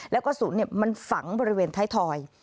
แล้วกระสุนมันฝังบริเวณท้ายทอย